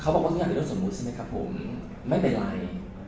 บอกว่านี่เป็นเรื่องสมมุติใช่ไหมครับผมไม่เป็นไร